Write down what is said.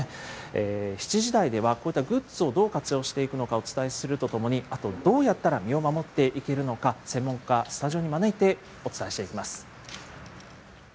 ７時台ではこういったグッズをどう活用していくのかをお伝えするとともに、あとどうやったら身を守っていけるのか、専門家、スタジオに招いてお伝えしていきます。